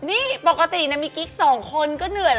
มากกว่า๓ไม่มี